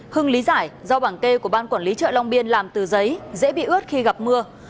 hưng lý giải do bảng kê của ban quản lý chợ long biên làm từ giấy dễ bị ướt khi gặp mưa